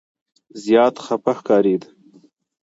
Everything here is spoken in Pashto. زیات خفه ښکارېد.